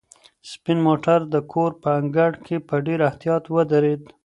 سپین موټر د کور په انګړ کې په ډېر احتیاط ودرېد.